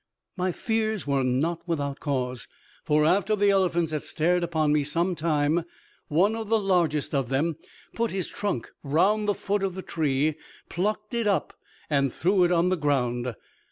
My fears were not without cause; for after the elephants had stared upon me some time, one of the largest of them put his trunk round the foot of the tree, plucked it up, and threw it on the ground.